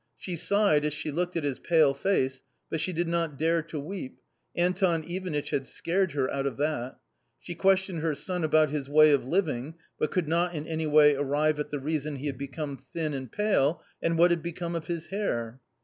She sighed as she looked at his pale face, but she did not dare to weep ; Anton Ivanitch had scared her out of that. She questioned her son about his way of living, but could not in any way arrive at the reason he had become thin and pale and what had become of his hair.